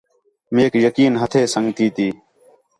میک یقین ہتھے سنڳتی تی